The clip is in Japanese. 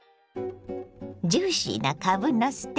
ジューシーなかぶのステーキ。